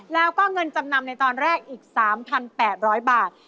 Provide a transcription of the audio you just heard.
แล้วก็เงินจำนำในตอนแรกอีก๓๘๐๐บาท